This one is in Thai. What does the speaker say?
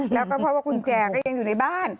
แล้วก็เพราะว่ากุญแจก็ยังอยู่ในบ้าน